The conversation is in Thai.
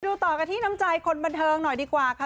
ต่อกันที่น้ำใจคนบันเทิงหน่อยดีกว่าค่ะ